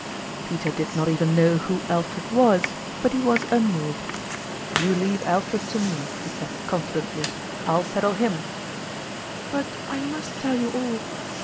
Peter did not even know who Alfred was, but he was unmoved. " You leave Alfred to me," he said, confi dently, " I'll settle him /"" But I must tell you all.